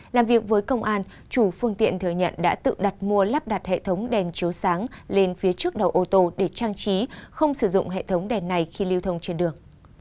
làm việc với công an chủ phương tiện thừa nhận đã tự đặt mua lắp đặt hệ thống đèn chiếu sáng lên phía trước đầu ô tô để trang trí không sử dụng hệ thống đèn này khi lưu thông trên đường